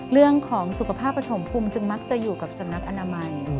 เรื่องของสุขภาพปฐมภูมิจึงมักจะอยู่กับสำนักอนามัย